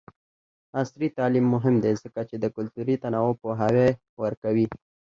عصري تعلیم مهم دی ځکه چې د کلتوري تنوع پوهاوی ورکوي.